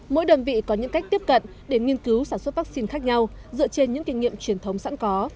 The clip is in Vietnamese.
mỗi đơn vị có những cách tiếp cận để nghiên cứu sản xuất vaccine khác nhau dựa trên những kinh nghiệm truyền thống sẵn có